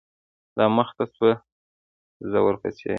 دا مخته سوه زه ورپسې.